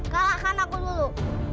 kalahkan aku dulu